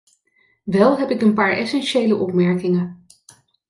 Wel heb ik een paar essentiële opmerkingen.